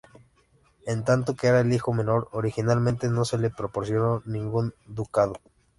En tanto que era el hijo menor, originalmente no se le proporcionó ningún ducado.